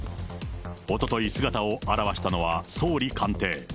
おととい、姿を現したのは総理官邸。